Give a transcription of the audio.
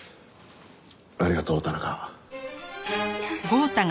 ありがとう田中。